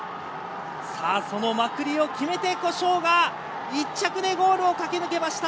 そのまくりを決めて、古性が１着でゴールを駆け抜けました！